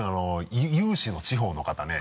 有志の地方の方ね。